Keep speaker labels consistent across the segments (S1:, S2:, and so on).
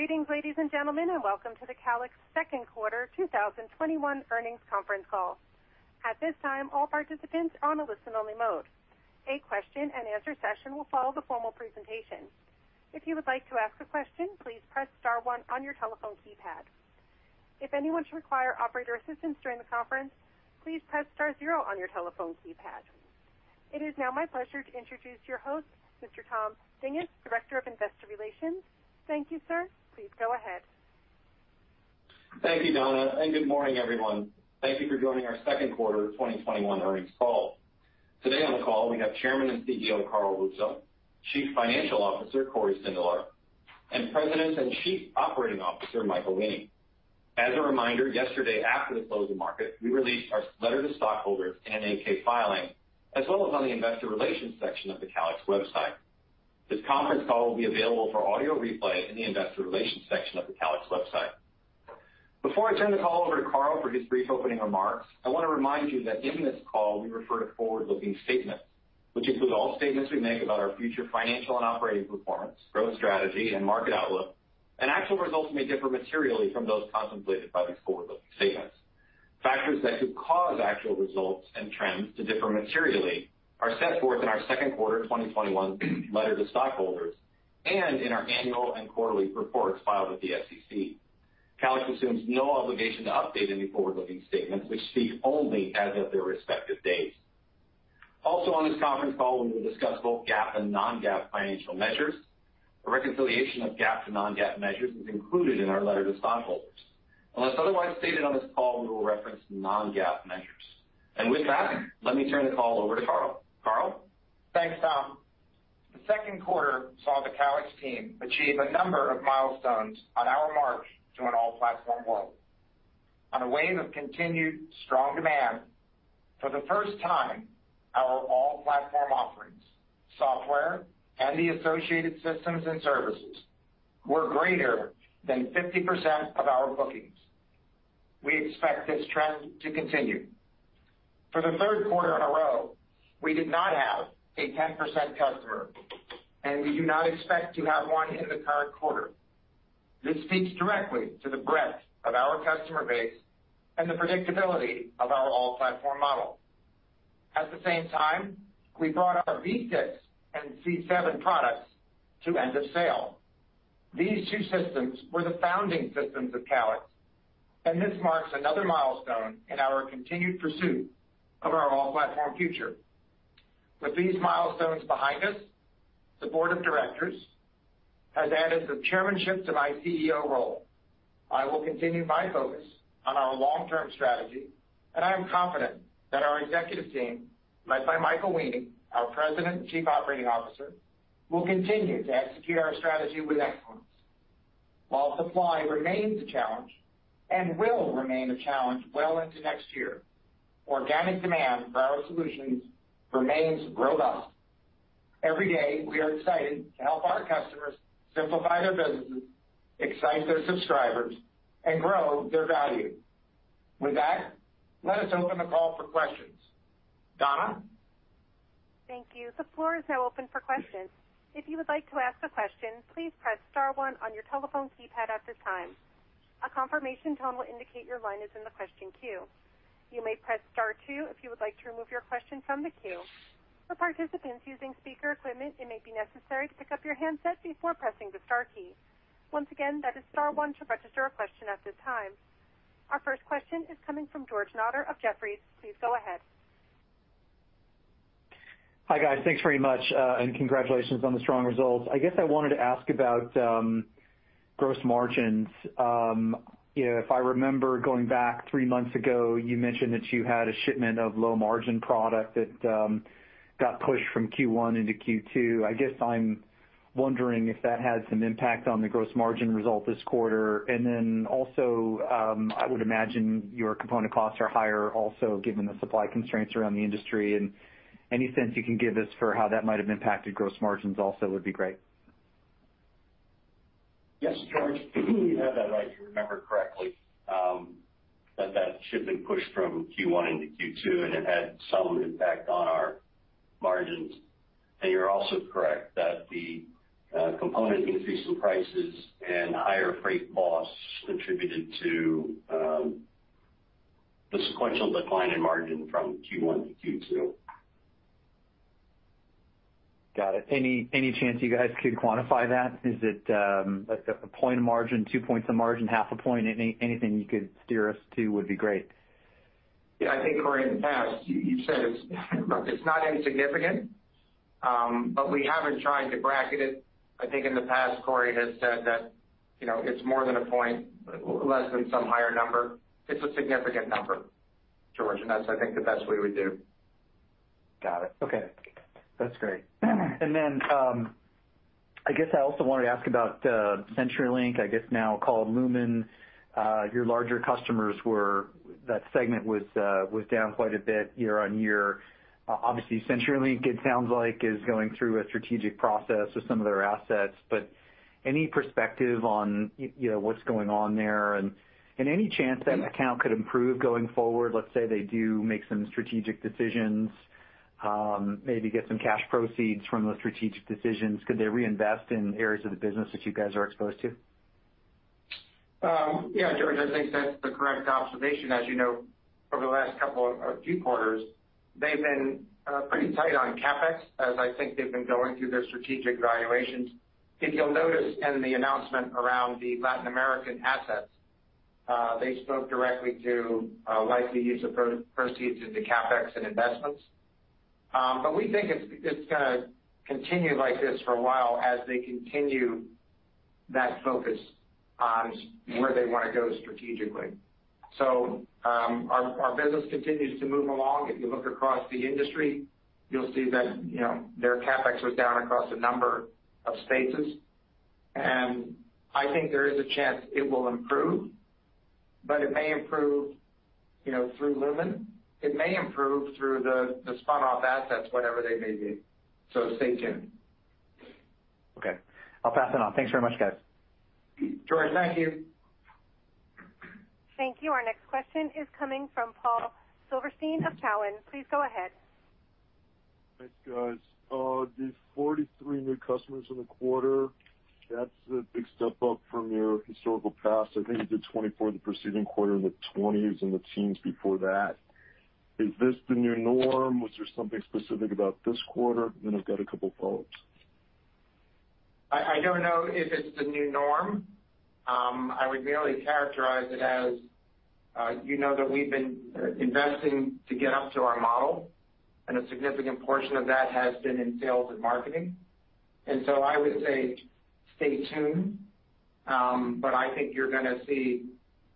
S1: Greetings, ladies and gentlemen, and welcome to the Calix second quarter 2021 earnings conference call. At this time, all participants are on a listen-only mode. A question and answer session will follow the formal presentation. If you would like to ask a question, please press star one on your telephone keypad. If anyone should require operator assistance during the conference, please press star zero on your telephone keypad. It is now my pleasure to introduce your host, Mr. Tom Dinges, Director of Investor Relations. Thank you, sir. Please go ahead.
S2: Thank you, Donna, good morning, everyone. Thank you for joining our second quarter 2021 earnings call. Today on the call, we have Chairman and CEO, Carl Russo, Chief Financial Officer, Cory Sindelar, and President and Chief Operating Officer, Michael Weening. As a reminder, yesterday after the close of market, we released our letter to stockholders and 10-K filing, as well as on the investor relations section of the Calix website. This conference call will be available for audio replay in the investor relations section of the Calix website. Before I turn the call over to Carl for his brief opening remarks, I want to remind you that in this call, we refer to forward-looking statements, which include all statements we make about our future financial and operating performance, growth strategy, and market outlook, and actual results may differ materially from those contemplated by these forward-looking statements. Factors that could cause actual results and trends to differ materially are set forth in our second quarter 2021 letter to stockholders and in our annual and quarterly reports filed with the SEC. Calix assumes no obligation to update any forward-looking statements, which speak only as of their respective dates. Also, on this conference call, we will discuss both GAAP and non-GAAP financial measures. A reconciliation of GAAP to non-GAAP measures is included in our letter to stockholders. Unless otherwise stated on this call, we will reference non-GAAP measures. With that, let me turn the call over to Carl. Carl?
S3: Thanks, Tom. The second quarter saw the Calix team achieve a number of milestones on our march to an all-platform world. On a wave of continued strong demand, for the first time, our all-platform offerings, software, and the associated systems and services were greater than 50% of our bookings. We expect this trend to continue. For the third quarter in a row, we did not have a 10% customer, and we do not expect to have one in the current quarter. This speaks directly to the breadth of our customer base and the predictability of our all-platform model. At the same time, we brought our B6 and C7 products to end-of-sale. These two systems were the founding systems of Calix, and this marks another milestone in our continued pursuit of our all-platform future. With these milestones behind us, the board of directors has added the chairmanship to my CEO role. I will continue my focus on our long-term strategy, and I am confident that our executive team, led by Michael Weening, our President and Chief Operating Officer, will continue to execute our strategy with excellence. While supply remains a challenge and will remain a challenge well into next year, organic demand for our solutions remains robust. Every day, we are excited to help our customers simplify their businesses, excite their subscribers, and grow their value. With that, let us open the call for questions. Donna?
S1: Thank you. The floor is now open for questions. If you would like to ask a question, please press star one on your telephone keypad at this time. A confirmation tone will indicate your line is in the question queue. You may press star two if you would like to remove your question from the queue. For participants using speaker equipment, it may be necessary to pick up your handset before pressing the star key. Once again, that is star one to register a question at this time. Our first question is coming from George Notter of Jefferies. Please go ahead.
S4: Hi, guys. Thanks very much, and congratulations on the strong results. I guess I wanted to ask about gross margins. If I remember, going back three months ago, you mentioned that you had a shipment of low-margin product that got pushed from Q1 into Q2. I guess I'm wondering if that had some impact on the gross margin result this quarter. Also, I would imagine your component costs are higher also given the supply constraints around the industry. Any sense you can give us for how that might have impacted gross margins also would be great.
S3: Yes, George, you have that right. You remember correctly, that shipment pushed from Q1 into Q2, and it had some impact on our margins. You're also correct that the component increase in prices and higher freight costs contributed to the sequential decline in margin from Q1 to Q2.
S4: Got it. Any chance you guys could quantify that? Is it a point of margin, two points of margin, half a point? Anything you could steer us to would be great.
S3: Yeah. I think Cory, in the past, you said it's not insignificant, but we haven't tried to bracket it. I think in the past, Cory has said that it's more than a point, less than some higher number. It's a significant number, George, and that's, I think, the best we would do.
S4: Got it. Okay. That's great. I guess I also wanted to ask about CenturyLink, I guess now called Lumen. Your larger customers, that segment was down quite a bit year-over-year. Obviously CenturyLink, it sounds like, is going through a strategic process with some of their assets. Any perspective on what's going on there, and any chance that account could improve going forward? Let's say they do make some strategic decisions. Maybe get some cash proceeds from those strategic decisions. Could they reinvest in areas of the business that you guys are exposed to?
S3: Yeah, George, I think that's the correct observation. As you know, over the last couple of few quarters, they've been pretty tight on CapEx, as I think they've been going through their strategic valuations. If you'll notice in the announcement around the Latin American assets, they spoke directly to likely use of proceeds into CapEx and investments. We think it's going to continue like this for a while as they continue that focus on where they want to go strategically. Our business continues to move along. If you look across the industry, you'll see that their CapEx was down across a number of spaces, and I think there is a chance it will improve, but it may improve through Lumen. It may improve through the spun-off assets, whatever they may be. Stay tuned.
S4: Okay. I'll pass that on. Thanks very much, guys.
S3: George, thank you.
S1: Thank you. Our next question is coming from Paul Silverstein of Cowen. Please go ahead.
S5: Thanks, guys. The 43 new customers in the quarter, that's a big step up from your historical past. I think you did 24 the preceding quarter, in the 20s and the teens before that. Is this the new norm? Was there something specific about this quarter? I've got a couple follow-ups.
S3: I don't know if it's the new norm. I would merely characterize it as, you know that we've been investing to get up to our model, and a significant portion of that has been in sales and marketing. I would say stay tuned. I think you're going to see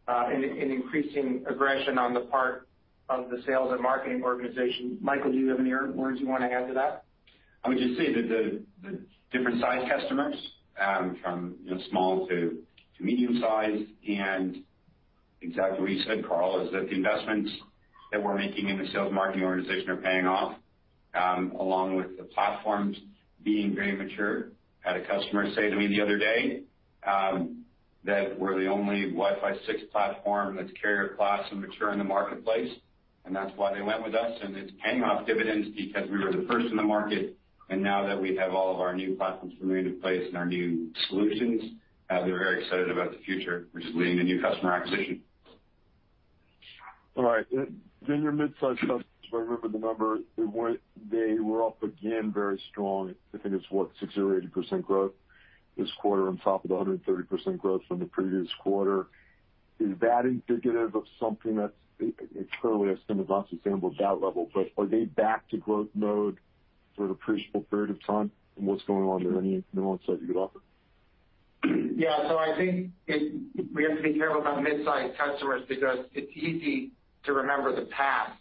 S3: an increasing aggression on the part of the sales and marketing organization. Michael, do you have any words you want to add to that?
S6: I would just say that the different size customers, from small to medium size, and exactly what you said, Carl, is that the investments that we're making in the sales marketing organization are paying off, along with the platforms being very mature. Had a customer say to me the other day that we're the only Wi-Fi 6 platform that's carrier class and mature in the marketplace, and that's why they went with us. It's paying off dividends because we were the first in the market. Now that we have all of our new platforms from Remain in Place and our new solutions, they're very excited about the future, which is leading to new customer acquisition.
S5: All right. Your midsize customers, if I remember the number, they were up again very strong. I think it's what, 60% or 80% growth this quarter on top of the 130% growth from the previous quarter. Is that indicative of something that's clearly been an example of that level, but are they back to growth mode for an appreciable period of time? What's going on there? Any nuance that you could offer?
S3: I think we have to be careful about mid-size customers because it's easy to remember the past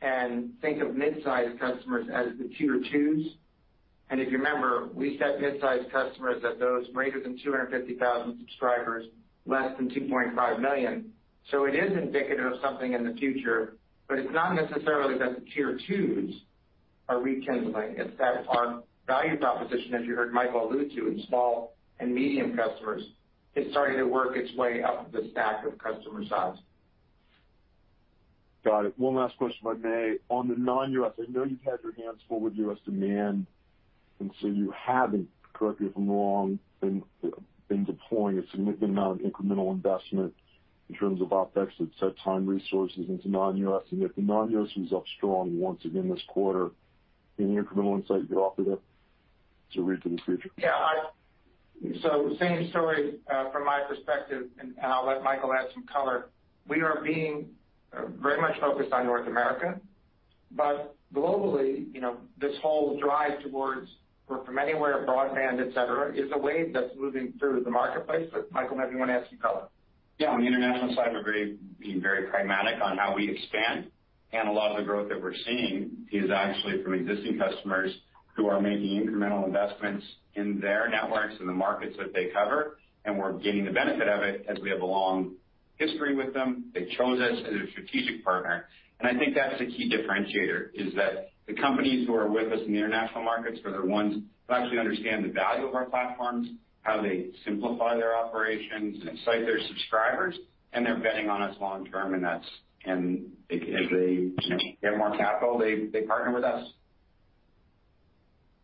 S3: and think of mid-size customers as the Tier 2s. If you remember, we set mid-size customers as those greater than 250,000 subscribers, less than 2.5 million. It is indicative of something in the future, but it's not necessarily that the Tier 2s are rekindling. It's that our value proposition, as you heard Michael allude to, in small and medium customers, is starting to work its way up the stack of customer size.
S5: Got it. One last question if I may. On the non-U.S., I know you've had your hands full with U.S. demand, so you haven't, correct me if I'm wrong, been deploying a significant amount of incremental investment in terms of OpEx that's had time resources into non-U.S. Yet the non-U.S. was up strong once again this quarter. Any incremental insight you could offer there to read to the future?
S3: Yeah. Same story from my perspective, and I'll let Michael add some color. We are being very much focused on North America. Globally, this whole drive towards work from anywhere, broadband, et cetera, is a wave that's moving through the marketplace. Michael, maybe you want to add some color.
S6: Yeah. On the international side, we're being very pragmatic on how we expand. A lot of the growth that we're seeing is actually from existing customers who are making incremental investments in their networks and the markets that they cover, and we're gaining the benefit of it as we have a long history with them. They chose us as a strategic partner. I think that's the key differentiator, is that the companies who are with us in the international markets are the ones who actually understand the value of our platforms, how they simplify their operations and excite their subscribers, and they're betting on us long term, and as they get more capital, they partner with us.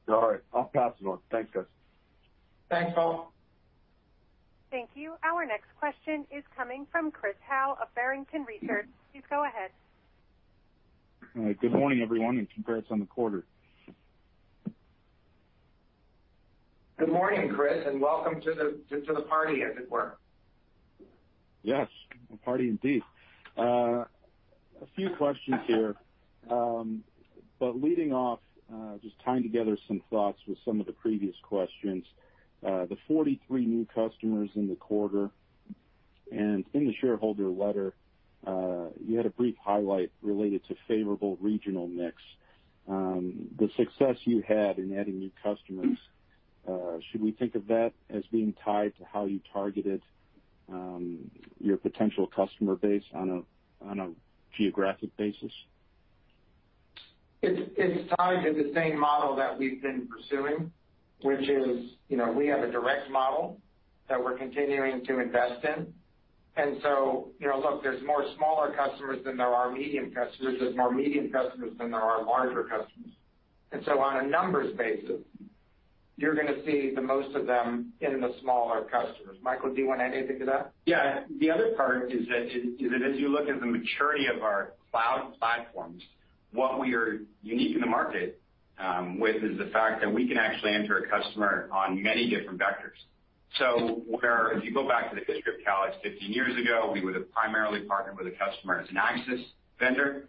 S5: All right. I'll pass it on. Thanks, guys.
S6: Thanks, Paul.
S1: Thank you. Our next question is coming from Chris Howe of Barrington Research. Please go ahead.
S7: Good morning, everyone, and congrats on the quarter.
S3: Good morning, Chris, and welcome to the party, as it were.
S7: Yes, a party indeed. A few questions here. Leading off, just tying together some thoughts with some of the previous questions. The 43 new customers in the quarter, and in the shareholder letter, you had a brief highlight related to favorable regional mix. The success you had in adding new customers, should we think of that as being tied to how you targeted your potential customer base on a geographic basis?
S3: It's tied to the same model that we've been pursuing, which is we have a direct model that we're continuing to invest in. Look, there's more smaller customers than there are medium customers. There's more medium customers than there are larger customers. On a numbers basis, you're going to see the most of them in the smaller customers. Michael, do you want to add anything to that?
S6: The other part is that as you look at the maturity of our cloud platforms, what we are unique in the market with is the fact that we can actually enter a customer on many different vectors. If you go back to the history of Calix 15 years ago, we would have primarily partnered with a customer as an access vendor.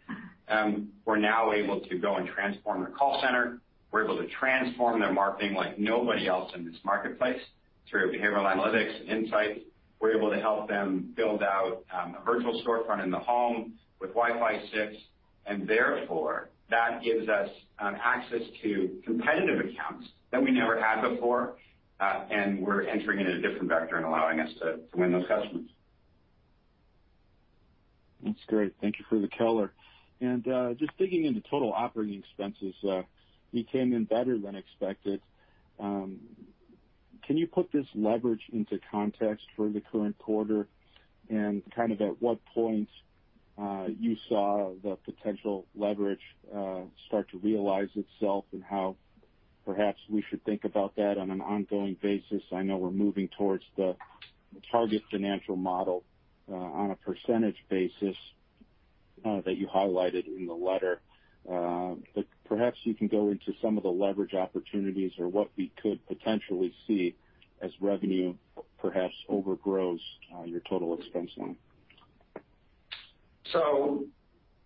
S6: We're now able to go and transform their call center. We're able to transform their marketing like nobody else in this marketplace through behavioral analytics and insights. We're able to help them build out a virtual storefront in the home with Wi-Fi 6, and therefore, that gives us access to competitive accounts that we never had before, and we're entering in a different vector and allowing us to win those customers.
S7: That's great. Thank you for the color. Just digging into total operating expenses, you came in better than expected. Can you put this leverage into context for the current quarter and at what point you saw the potential leverage start to realize itself and how perhaps we should think about that on an ongoing basis? I know we're moving towards the target financial model on a percentage basis that you highlighted in the letter. Perhaps you can go into some of the leverage opportunities or what we could potentially see as revenue perhaps overgrows your total expense line.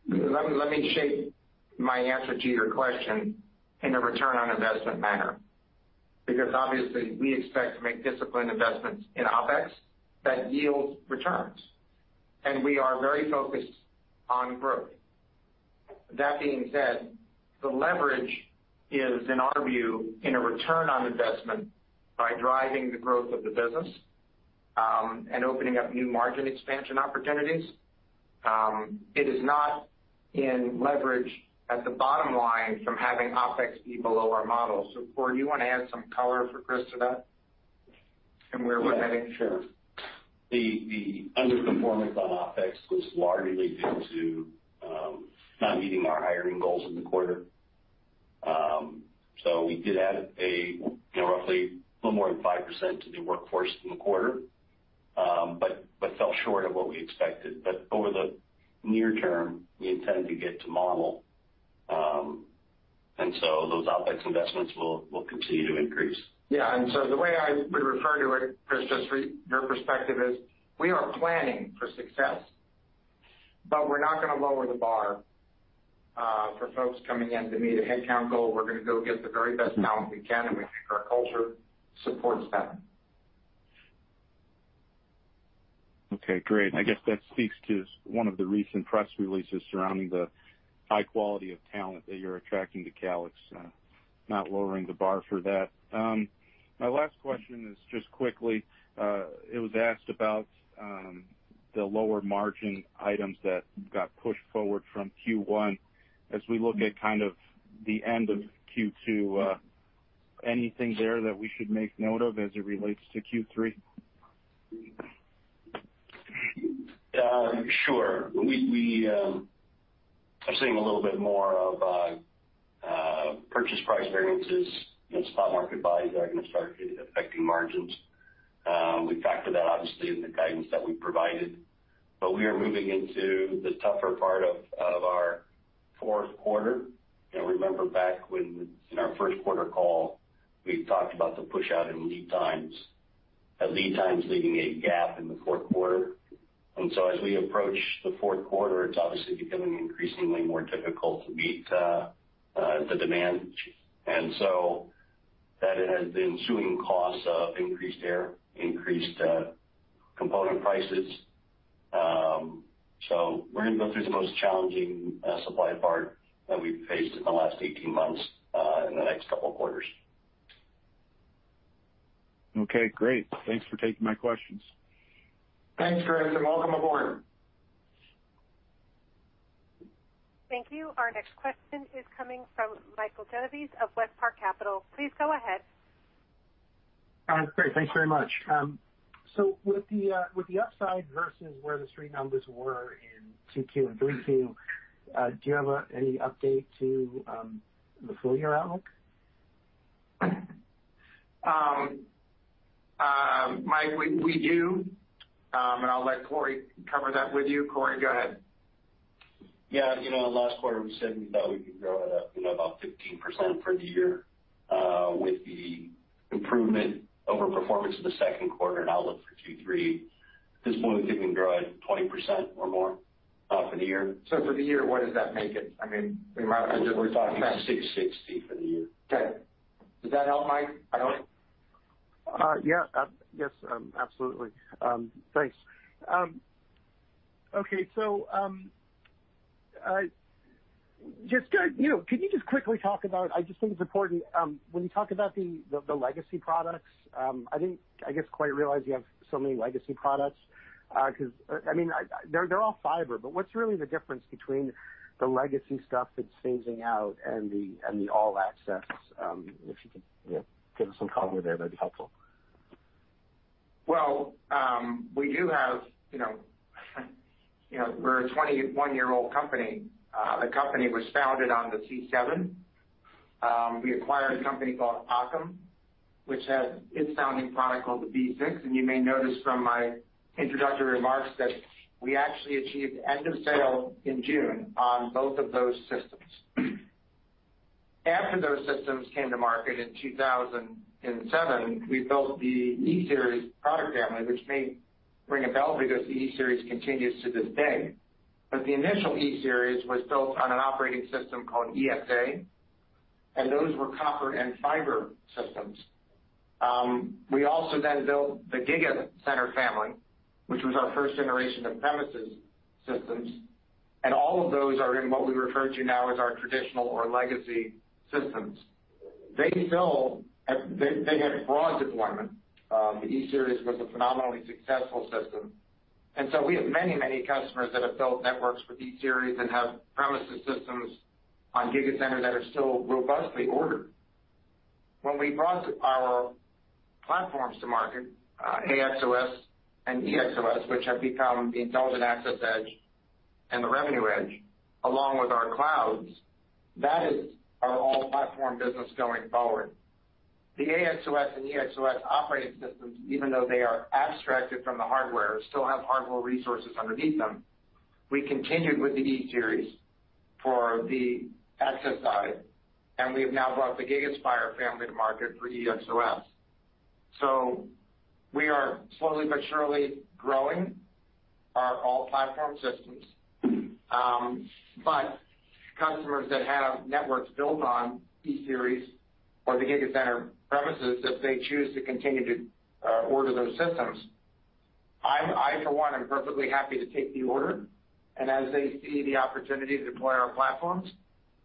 S3: Let me shape my answer to your question in a return-on-investment manner, because obviously we expect to make disciplined investments in OpEx that yield returns, and we are very focused on growth. That being said, the leverage is, in our view, in a return on investment by driving the growth of the business, and opening up new margin expansion opportunities. It is not in leverage at the bottom line from having OpEx be below our model. Cory, do you want to add some color for Chris to that and where we're heading?
S8: Yeah, sure. The underperformance on OpEx was largely due to not meeting our hiring goals in the quarter. We did add roughly a little more than 5% to the workforce in the quarter, but fell short of what we expected. Over the near term, we intend to get to model. Those OpEx investments will continue to increase.
S3: Yeah. The way I would refer to it, Chris, just for your perspective is, we are planning for success. We're not going to lower the bar for folks coming in to meet a headcount goal. We're going to go get the very best talent we can, and we think our culture supports that.
S7: Okay, great. I guess that speaks to one of the recent press releases surrounding the high quality of talent that you're attracting to Calix, not lowering the bar for that. My last question is just quickly, it was asked about the lower margin items that got pushed forward from Q1. As we look at the end of Q2, anything there that we should make note of as it relates to Q3?
S8: Sure. We are seeing a little bit more of purchase price variances and spot market buys that are going to start affecting margins. We factor that obviously in the guidance that we provided. We are moving into the tougher part of our fourth quarter. Remember back in our first quarter call, we talked about the pushout in lead times, lead times leaving a gap in the fourth quarter. As we approach the fourth quarter, it's obviously becoming increasingly more difficult to meet the demand. That has the ensuing costs of increased air, increased component prices. We're going to go through the most challenging supply part that we've faced in the last 18 months in the next couple of quarters.
S7: Okay, great. Thanks for taking my questions.
S3: Thanks, Chris, and welcome aboard.
S1: Thank you. Our next question is coming from Michael Genovese of WestPark Capital. Please go ahead.
S9: Great. Thanks very much. With the upside versus where the street numbers were in 2Q and 3Q, do you have any update to the full year outlook?
S3: Mike, we do. I'll let Cory cover that with you. Cory, go ahead.
S8: Yeah. Last quarter, we said we thought we could grow it up about 15% for the year. With the improvement over performance of the second quarter and outlook for Q3, at this point, we think we can grow at 20% or more off of the year.
S3: For the year, what does that make it?
S8: $660 for the year.
S3: Okay. Does that help, Mike?
S9: Yes, absolutely. Thanks. Can you just quickly talk about, I just think it's important, when you talk about the legacy products, I didn't, I guess, quite realize you have so many legacy products. They're all fiber, but what's really the difference between the legacy stuff that's phasing out and the All Access? If you can give some color there, that'd be helpful.
S3: Well, we're a 21-year-old company. The company was founded on the C7. We acquired a company called Occam, which has its founding product called the B6. You may notice from my introductory remarks that we actually achieved end-of-sale in June on both of those systems. After those systems came to market in 2007, we built the E-Series product family, which may ring a bell because the E-Series continues to this day. The initial E-Series was built on an operating system called EXA, and those were copper and fiber systems. We also then built the GigaCenter family, which was our first generation of premises systems, and all of those are in what we refer to now as our traditional or legacy systems. They had broad deployment. The E-Series was a phenomenally successful system, and so we have many customers that have built networks with E-Series and have premises systems on GigaCenter that are still robustly ordered. When we brought our platforms to market, AXOS and EXOS, which have become the Intelligent Access EDGE and the Revenue EDGE, along with our clouds, that is our all-platform business going forward. The AXOS and EXOS operating systems, even though they are abstracted from the hardware, still have hardware resources underneath them. We continued with the E-Series for the access side, and we have now brought the GigaSpire family to market for EXOS. We are slowly but surely growing our all-platform systems. Customers that have networks built on E-Series or the GigaCenter premises, if they choose to continue to order those systems, I, for one, am perfectly happy to take the order, and as they see the opportunity to deploy our platforms,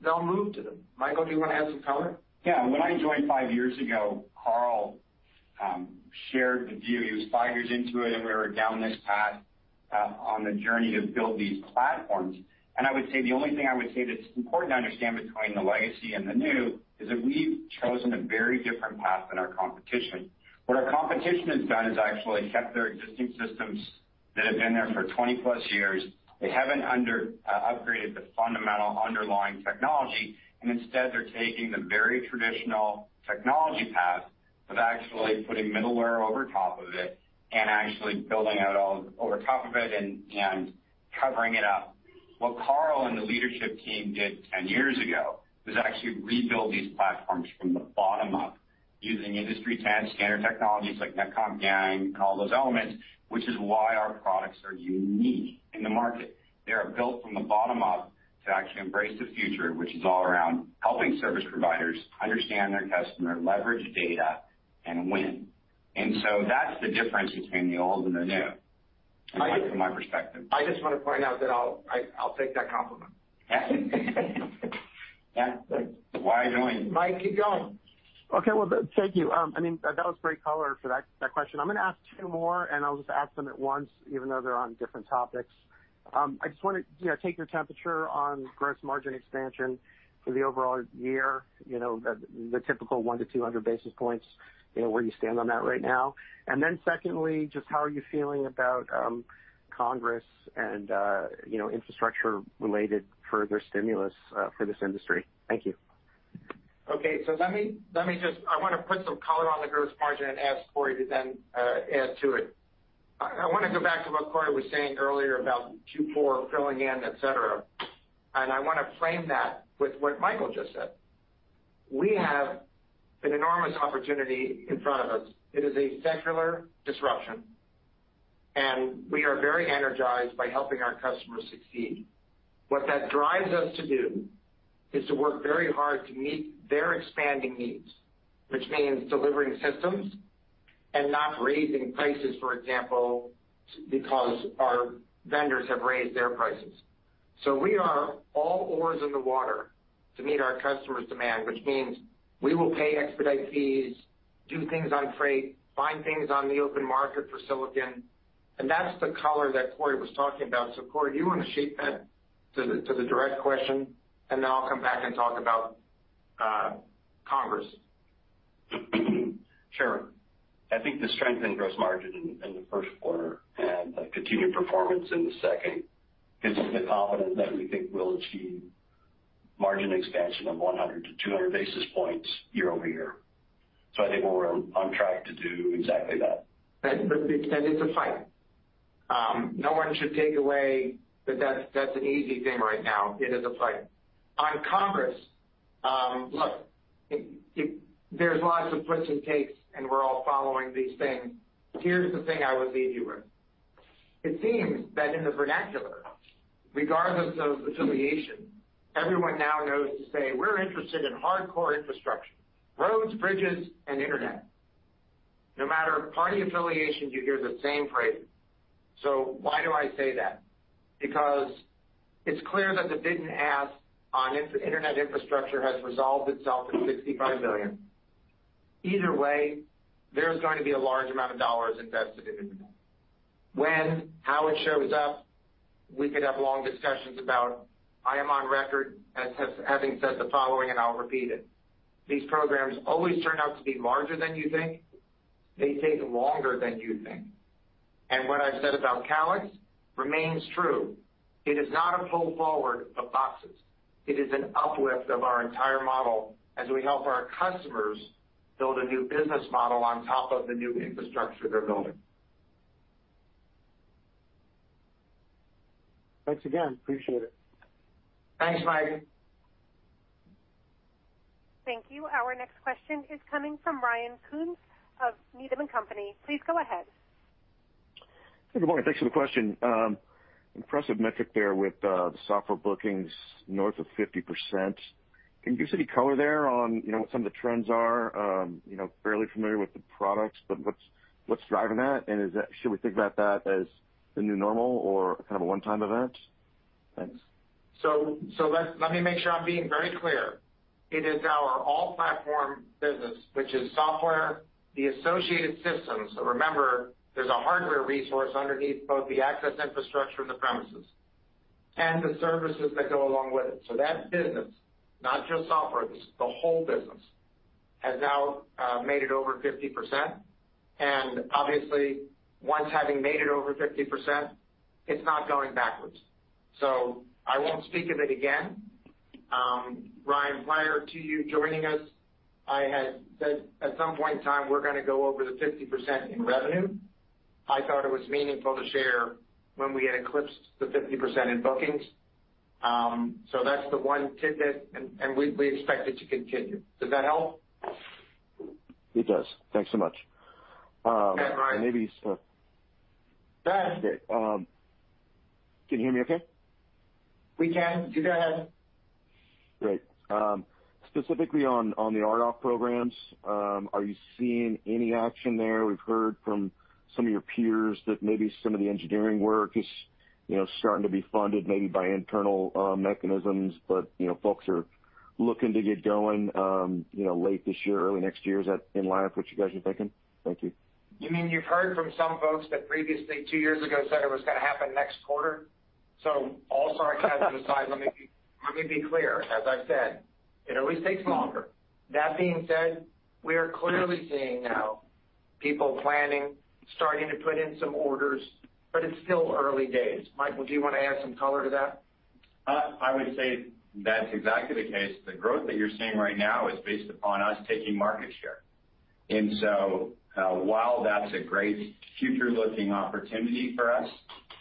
S3: they'll move to them. Michael, do you want to add some color?
S6: Yeah. When I joined five years ago, Carl shared the view. He was five years into it, and we were down this path on the journey to build these platforms. I would say, the only thing I would say that's important to understand between the legacy and the new is that we've chosen a very different path than our competition. What our competition has done is actually kept their existing systems that have been there for 20+ years. They haven't upgraded the fundamental underlying technology, and instead, they're taking the very traditional technology path of actually putting middleware over top of it and actually building it all over top of it and covering it up. What Carl and the leadership team did 10 years ago was actually rebuild these platforms from the bottom up using industry-standard technologies like NETCONF, YANG, and all those elements, which is why our products are unique in the market. They are built from the bottom up to actually embrace the future, which is all around helping service providers understand their customer, leverage data, and win. That's the difference between the old and the new, from my perspective.
S3: I just want to point out that I'll take that compliment.
S6: That's why I joined.
S3: Mike, keep going.
S9: Okay. Well, thank you. That was great color for that question. I'm going to ask two more, and I'll just ask them at once, even though they're on different topics. I just want to take your temperature on gross margin expansion for the overall year, the typical 1-200 basis points, where you stand on that right now. Secondly, just how are you feeling about Congress and infrastructure related further stimulus for this industry? Thank you.
S3: Okay. I want to put some color on the gross margin and ask Cory to then add to it. I want to go back to what Cory was saying earlier about Q4 filling in, et cetera. I want to frame that with what Michael just said. We have an enormous opportunity in front of us. It is a secular disruption, and we are very energized by helping our customers succeed. What that drives us to do is to work very hard to meet their expanding needs, which means delivering systems and not raising prices, for example, because our vendors have raised their prices. We are all oars in the water to meet our customers' demand, which means we will pay expedite fees, do things on freight, find things on the open market for silicon, and that's the color that Cory was talking about. Cory, do you want to shape that to the direct question, and then I'll come back and talk about Congress?
S8: Sure. I think the strength in gross margin in the first quarter and the continued performance in the second gives us the confidence that we think we'll achieve margin expansion of 100-200 basis points year-over-year. I think we're on track to do exactly that.
S3: It's a fight. No one should take away that that's an easy thing right now. It is a fight. On Congress, look, there's lots of puts and takes, and we're all following these things. Here's the thing I would leave you with. It seems that in the vernacular, regardless of affiliation, everyone now knows to say, "We're interested in hardcore infrastructure, roads, bridges, and internet." No matter party affiliations, you hear the same phrases. Why do I say that? It's clear that the Biden ask on internet infrastructure has resolved itself at $65 billion. Either way, there's going to be a large amount of dollars invested in. When, how it shows up, we could have long discussions about. I am on record as having said the following, and I'll repeat it. These programs always turn out to be larger than you think. They take longer than you think. What I've said about Calix remains true. It is not a pull forward of boxes. It is an uplift of our entire model as we help our customers build a new business model on top of the new infrastructure they're building.
S9: Thanks again. Appreciate it.
S3: Thanks, Mike.
S1: Thank you. Our next question is coming from Ryan Koontz of Needham & Company. Please go ahead.
S10: Good morning. Thanks for the question. Impressive metric there with the software bookings north of 50%. Can you give us any color there on what some of the trends are? Fairly familiar with the products, but what's driving that, and should we think about that as the new normal or a one-time event? Thanks.
S3: Let me make sure I'm being very clear. It is our all-platform business, which is software, the associated systems. Remember, there's a hardware resource underneath both the access infrastructure and the premises, and the services that go along with it. That business, not just software, the whole business, has now made it over 50%. Obviously, once having made it over 50%, it's not going backwards. I won't speak of it again. Ryan, prior to you joining us, I had said at some point in time, we're going to go over the 50% in revenue. I thought it was meaningful to share when we had eclipsed the 50% in bookings. That's the 1 tidbit, and we expect it to continue. Does that help?
S10: It does. Thanks so much.
S3: Yeah, Ryan.
S10: Maybe-
S3: Go ahead.
S10: Can you hear me okay?
S3: We can. You go ahead.
S10: Great. Specifically on the RDOF programs, are you seeing any action there? We've heard from some of your peers that maybe some of the engineering work is starting to be funded maybe by internal mechanisms. Folks are looking to get going late this year, early next year. Is that in line with what you guys are thinking? Thank you.
S3: You mean you've heard from some folks that previously two years ago said it was going to happen next quarter? All sarcasm aside, let me be clear. As I've said, it always takes longer. That being said, we are clearly seeing now people planning, starting to put in some orders, but it's still early days. Michael, do you want to add some color to that?
S6: I would say that's exactly the case. The growth that you're seeing right now is based upon us taking market share. While that's a great future-looking opportunity for us,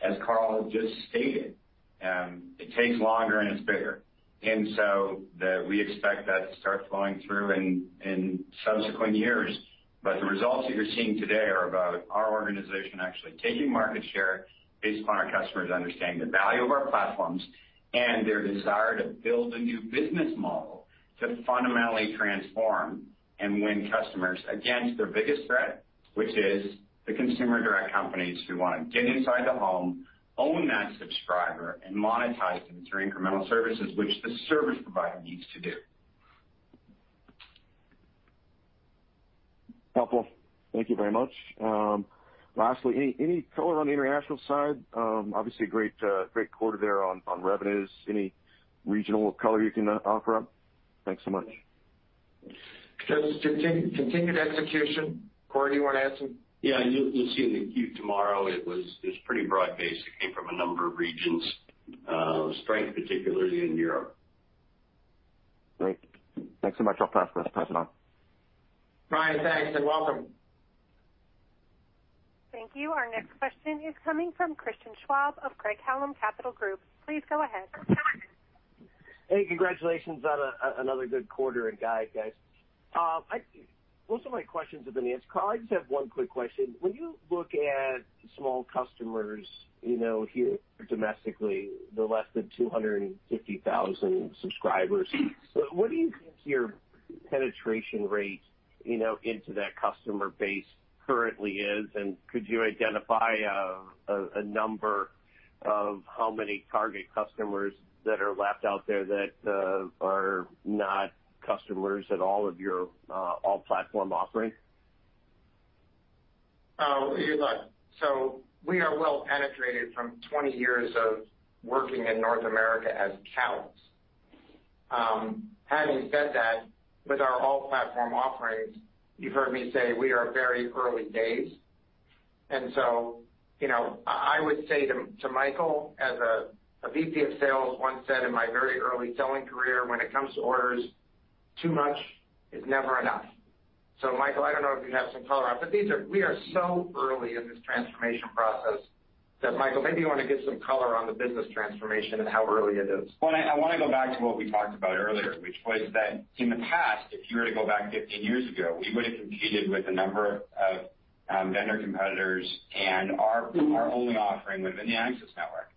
S6: as Carl just stated, it takes longer, and it's bigger. We expect that to start flowing through in subsequent years. The results that you're seeing today are about our organization actually taking market share based upon our customers understanding the value of our platforms and their desire to build a new business model to fundamentally transform and win customers against their biggest threat, which is the consumer direct companies who want to get inside the home, own that subscriber, and monetize them through incremental services, which the service provider needs to do.
S10: Helpful. Thank you very much. Any color on the international side? Obviously, a great quarter there on revenues. Any regional color you can offer up? Thanks so much.
S3: Just continued execution. Cory, do you want to add something?
S8: You'll see in the queue tomorrow, it was pretty broad-based. It came from a number of regions, strength particularly in Europe.
S10: Great. Thanks so much. I'll pass on.
S3: Ryan, thanks, and welcome.
S1: Thank you. Our next question is coming from Christian Schwab of Craig-Hallum Capital Group. Please go ahead.
S11: Hey, congratulations on another good quarter and guide, guys. Most of my questions have been answered. Carl, I just have one quick question. When you look at small customers, here domestically, the less than 250,000 subscribers, what do you think your penetration rate into that customer base currently is? Could you identify a number of how many target customers that are left out there that are not customers at all of your all-platform offering?
S3: We are well-penetrated from 20 years of working in North America as Calix. Having said that, with our all-platform offerings, you've heard me say we are very early days. I would say to Michael, as a VP of sales once said in my very early selling career, when it comes to orders, too much is never enough. Michael, I don't know if you have some color on it, but we are so early in this transformation process that Michael, maybe you want to give some color on the business transformation and how early it is.
S6: Well, I want to go back to what we talked about earlier, which was that in the past, if you were to go back 15 years ago, we would've competed with a number of vendor competitors and our only offering within the access network.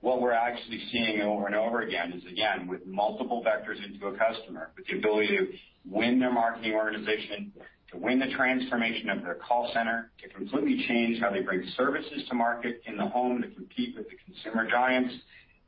S6: What we're actually seeing over and over again is, again, with multiple vectors into a customer with the ability to win their marketing organization, to win the transformation of their call center, to completely change how they bring services to market in the home to compete with the consumer giants,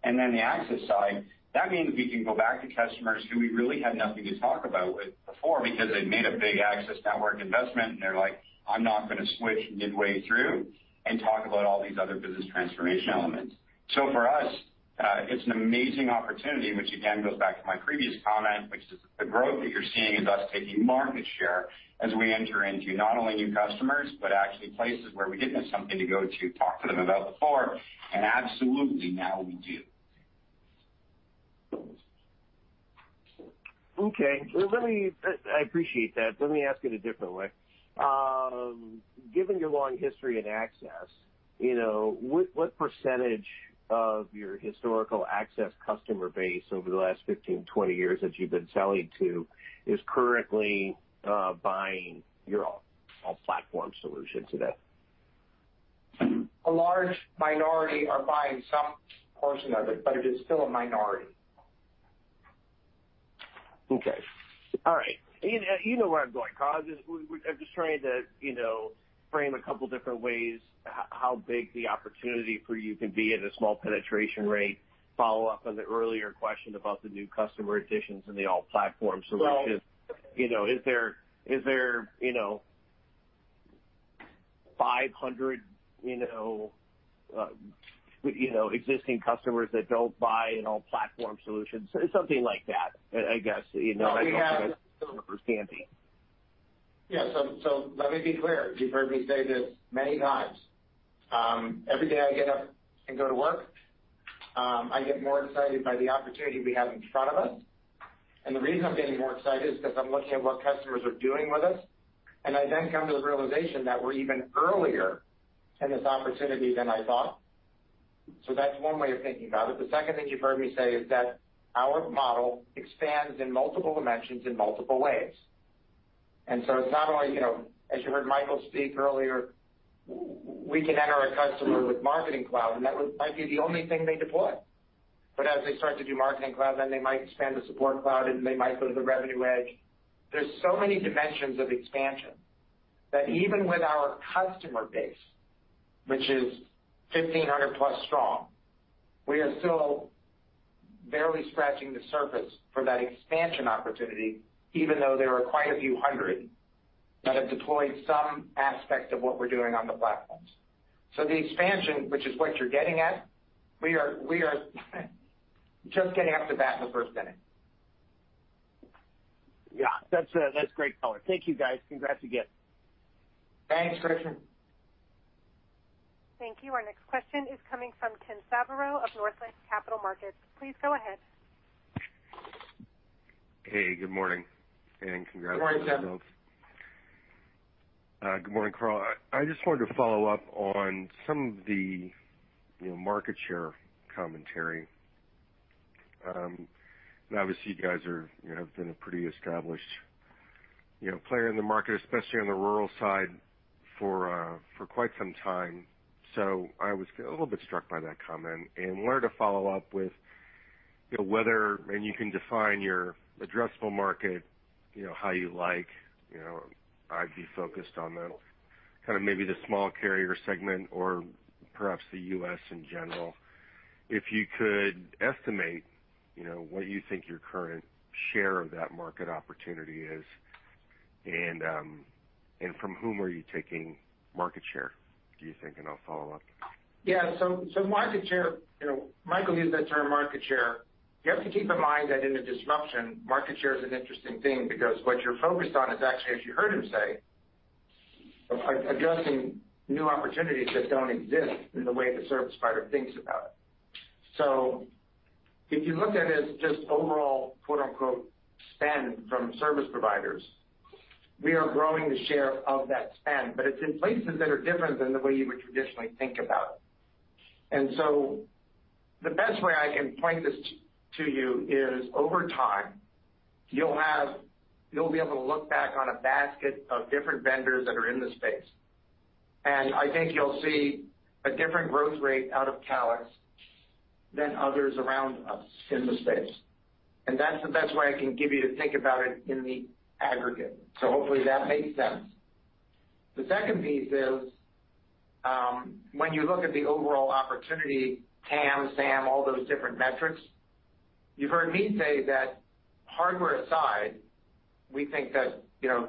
S6: and then the access side. That means we can go back to customers who we really had nothing to talk about with before because they've made a big access network investment, and they're like, "I'm not going to switch midway through," and talk about all these other business transformation elements. For us, it's an amazing opportunity, which again, goes back to my previous comment, which is the growth that you're seeing is us taking market share as we enter into not only new customers, but actually places where we didn't have something to go to talk to them about before. Absolutely, now we do.
S11: I appreciate that. Let me ask it a different way. Given your long history in access, what percentage of your historical access customer base over the last 15, 20 years that you've been selling to is currently buying your all-platform solution today?
S3: A large minority are buying some portion of it, but it is still a minority.
S11: Okay. All right. You know where I'm going, Carl. I'm just trying to frame a couple different ways how big the opportunity for you can be at a small penetration rate. Follow up on the earlier question about the new customer additions in the all-platform solution.
S3: Right.
S11: Is there 500 existing customers that don't buy an all-platform solution, something like that, I guess?
S3: No.
S11: 500 customers for CNP.
S3: Yeah. Let me be clear. You've heard me say this many times. Every day I get up and go to work, I get more excited by the opportunity we have in front of us, and the reason I'm getting more excited is because I'm looking at what customers are doing with us, and I then come to the realization that we're even earlier in this opportunity than I thought. That's one way of thinking about it. The second thing you've heard me say is that our model expands in multiple dimensions in multiple ways. It's not only, as you heard Michael speak earlier, we can enter a customer with Marketing Cloud, and that might be the only thing they deploy. As they start to do Marketing Cloud, they might expand to Support Cloud, and they might go to the Revenue EDGE. There's so many dimensions of expansion that even with our customer base, which is 1,500+ strong, we are still barely scratching the surface for that expansion opportunity, even though there are quite a few hundred that have deployed some aspect of what we're doing on the platforms. The expansion, which is what you're getting at, we are just getting off the bat in the first inning.
S11: Yeah. That's great color. Thank you, guys. Congrats again.
S3: Thanks, Christian.
S1: Thank you. Our next question is coming from Tim Savageaux of Northland Capital Markets. Please go ahead.
S12: Hey, good morning, and congratulations.
S3: Good morning, Tim Savageaux.
S12: Good morning, Carl. I just wanted to follow up on some of the market share commentary. Obviously, you guys have been a pretty established player in the market, especially on the rural side, for quite some time. I was a little bit struck by that comment and wanted to follow up with whether, and you can define your addressable market how you like. I'd be focused on the, kind of maybe the small carrier segment or perhaps the U.S. in general. If you could estimate what you think your current share of that market opportunity is, and from whom are you taking market share, do you think? I'll follow up.
S3: Yeah. Market share, Michael used that term, market share. You have to keep in mind that in a disruption, market share is an interesting thing because what you're focused on is actually, as you heard him say, addressing new opportunities that don't exist in the way the service provider thinks about it. If you look at it as just overall "spend" from service providers, we are growing the share of that spend, but it's in places that are different than the way you would traditionally think about it. The best way I can point this to you is, over time, you'll be able to look back on a basket of different vendors that are in the space. I think you'll see a different growth rate out of Calix than others around us in the space. That's the best way I can give you to think about it in the aggregate. Hopefully that makes sense. The second piece is, when you look at the overall opportunity, TAM, SAM, all those different metrics, you've heard me say that hardware aside, we think that our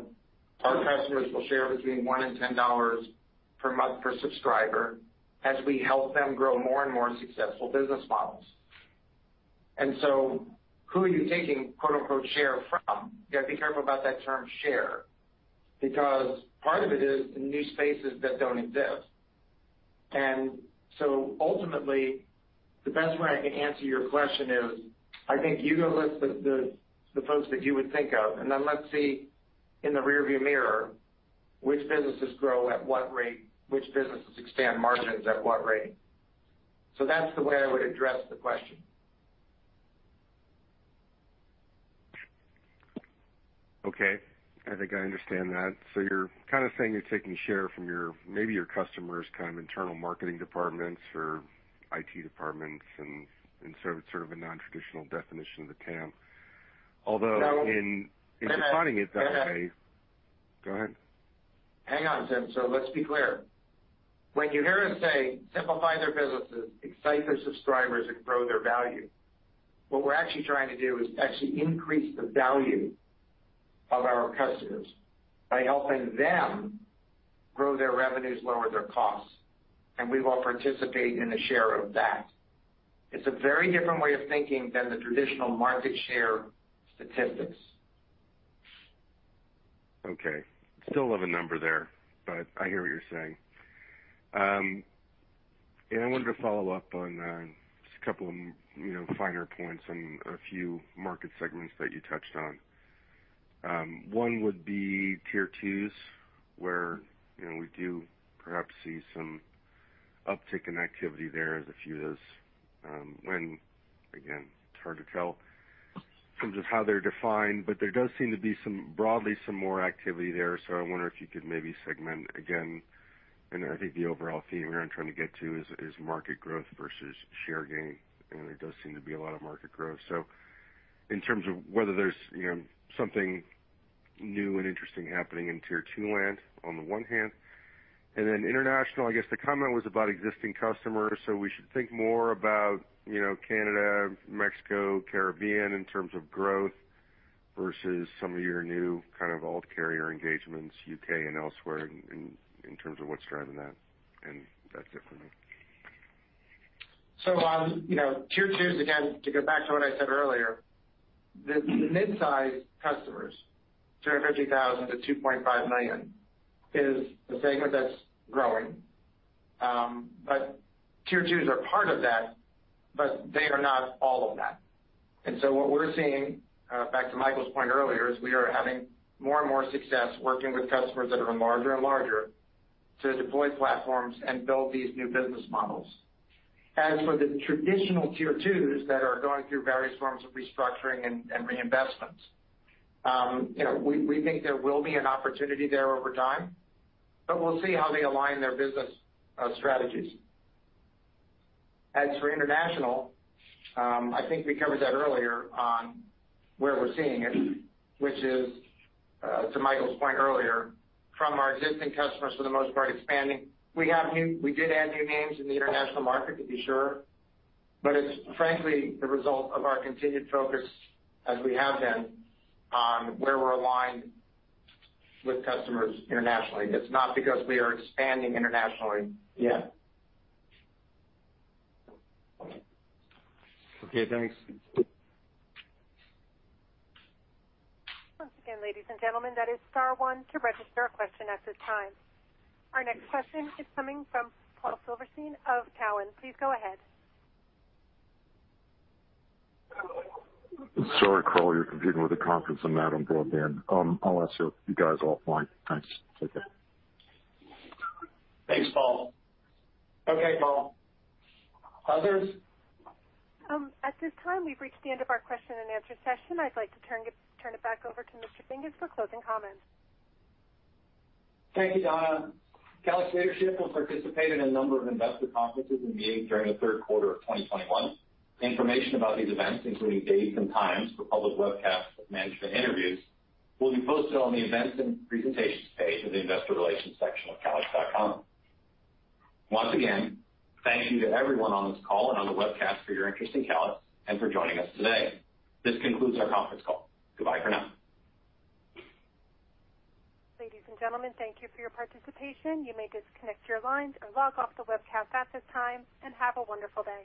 S3: customers will share between $1 and $10 per month per subscriber as we help them grow more and more successful business models. Who are you taking "share" from? You got to be careful about that term share, because part of it is in new spaces that don't exist. Ultimately, the best way I can answer your question is, I think you go list the folks that you would think of, and then let's see in the rear view mirror which businesses grow at what rate, which businesses expand margins at what rate. That's the way I would address the question.
S12: Okay. I think I understand that. You're kind of saying you're taking share from maybe your customers' internal marketing departments or IT departments, and so it's sort of a non-traditional definition of the TAM.
S3: No
S12: in defining it that way.
S3: Go ahead.
S12: Go ahead.
S3: Hang on, Tim. Let's be clear. When you hear us say, "Simplify their businesses, excite their subscribers, and grow their value," what we're actually trying to do is actually increase the value of our customers by helping them grow their revenues, lower their costs, and we will participate in a share of that. It's a very different way of thinking than the traditional market share statistics.
S12: Okay. Still love a number there, but I hear what you're saying. I wanted to follow up on just a couple of finer points on a few market segments that you touched on. One would be Tier 2s, where we do perhaps see some uptick in activity there as a few of those. When, again, it's hard to tell in terms of how they're defined, but there does seem to be broadly some more activity there, so I wonder if you could maybe segment again. I think the overall theme here I'm trying to get to is market growth versus share gain. There does seem to be a lot of market growth. In terms of whether there's something new and interesting happening in Tier 2 land on the one hand, and then international, I guess the comment was about existing customers, so we should think more about Canada, Mexico, Caribbean in terms of growth versus some of your new kind of alt carrier engagements, U.K. and elsewhere in terms of what's driving that. That's it for me.
S3: Tier 2s, again, to go back to what I said earlier, the mid-size customers, $350,000-$2.5 million, is the segment that's growing. Tier 2s are part of that, but they are not all of that. What we're seeing, back to Michael's point earlier, is we are having more and more success working with customers that are larger and larger to deploy platforms and build these new business models. As for the traditional Tier 2s that are going through various forms of restructuring and reinvestments, we think there will be an opportunity there over time, but we'll see how they align their business strategies. As for international, I think we covered that earlier on where we're seeing it, which is, to Michael's point earlier, from our existing customers for the most part expanding. We did add new names in the international market, to be sure, but it's frankly the result of our continued focus as we have been on where we're aligned with customers internationally. It's not because we are expanding internationally yet.
S12: Okay, thanks.
S1: Once again, ladies and gentlemen, that is star one to register a question at this time. Our next question is coming from Paul Silverstein of Cowen. Please go ahead.
S5: Sorry, Carl, you're competing with a conference on that on broadband. I'll ask you guys offline. Thanks. Take care.
S6: Thanks, Paul.
S3: Okay, Paul. Others?
S1: At this time, we've reached the end of our question and answer session. I'd like to turn it back over to Mr. Tom Dinges for closing comments.
S2: Thank you, Donna. Calix leadership will participate in a number of investor conferences and meetings during the third quarter of 2021. Information about these events, including dates and times for public webcasts of management interviews, will be posted on the Events and Presentations page of the investor relations section of calix.com. Once again, thank you to everyone on this call and on the webcast for your interest in Calix and for joining us today. This concludes our conference call. Goodbye for now.
S1: Ladies and gentlemen, thank you for your participation. You may disconnect your lines and log off the webcast at this time, and have a wonderful day.